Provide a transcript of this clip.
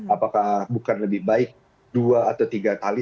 apakah bukan lebih baik dua atau tiga kali